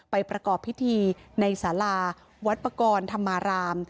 ไปประกอบพิธีในสาลาวัดปกรรณ์ธรรมาราม